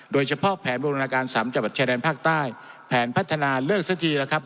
โดยเฉพาะแผนบูรณาการ๓จังหวัดชายแดนภาคใต้แผนพัฒนาเลิกสักทีแล้วครับ